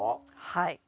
はい。